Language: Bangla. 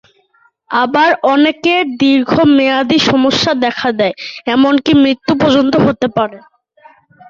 আবার অনেকের দীর্ঘমেয়াদি সমস্যা দেখা দেয়—এমনকি মৃত্যু পর্যন্ত হতে পারে।